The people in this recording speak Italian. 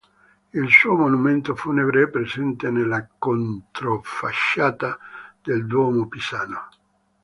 Il suo monumento funebre è presente nella controfacciata del Duomo pisano.